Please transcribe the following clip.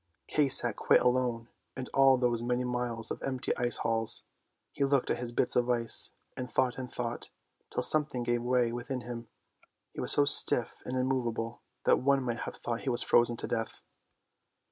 Kay sat quite alone in all those many miles of empty ice halls. He looked at his bits of ice, and thought and thought, till something gave way within him. He sat so stiff and immovable that one might have thought he was frozen to death.